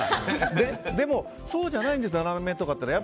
でも、そうじゃないんです７年目とかっていうのは。